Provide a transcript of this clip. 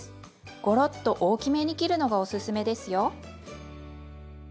ごろっと大きめに切るのがおすすめですよ。